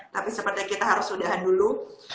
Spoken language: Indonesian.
tapi sepertinya kita harus sudah dulu